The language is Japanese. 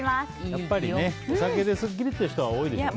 やっぱりお酒でスッキリという人は多いでしょうね。